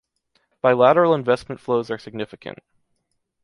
Bilateral investment flows are significant.